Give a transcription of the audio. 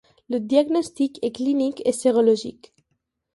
Le diagnostic est clinique et sérologique.